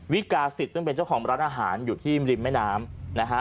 วิกาศิษย์ซึ่งเป็นเจ้าของร้านอาหารอยู่ที่ริมแม่น้ำนะฮะ